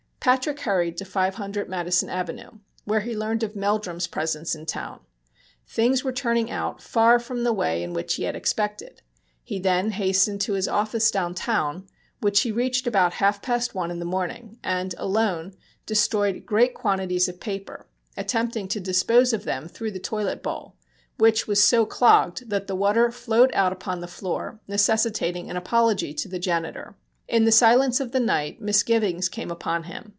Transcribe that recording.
Patrick hurried to 500 Madison Avenue, where he learned of Meldrum's presence in town. Things were turning out far from the way in which he had expected. He then hastened to his office down town, which he reached about half past one in the morning, and, alone, destroyed great quantities of paper, attempting to dispose of them through the toilet bowl, which was so clogged that the water flowed out upon the floor, necessitating an apology to the janitor. In the silence of the night misgivings came upon him.